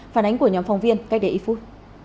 phản ánh của nhóm phòng viên cách để ý phút